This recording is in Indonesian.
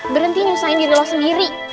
berhenti nyusahin diri lo sendiri